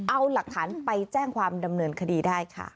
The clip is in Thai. เอาหลักฐานไปแจ้งความดำเนินคดีได้ค่ะ